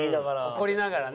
怒りながらね。